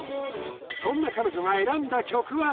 そんな彼女が選んだ曲は？